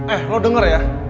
eh lo denger ya